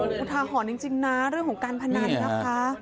โอ้โฮคุณทาหอนจริงนะเรื่องของการพนันนะคะ